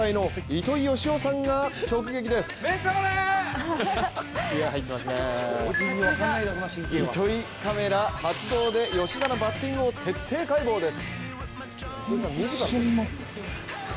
糸井カメラ発動で、吉田のバッティングを徹底解剖です。